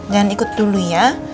jangan ikut dulu ya